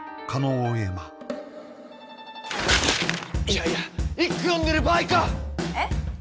いやいや１句詠んでる場合かえっ？